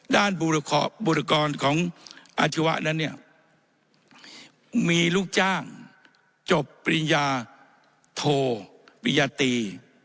บุรกรของอาชีวะนั้นเนี่ยมีลูกจ้างจบปริญญาโทปริญญาตรี